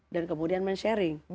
dan kemudian berbagi